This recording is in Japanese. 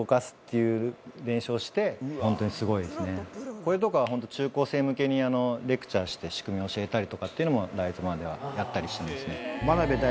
これとかは本当中高生向けにレクチャーして仕組み教えたりとかっていうのもライゾマではやったりしますね。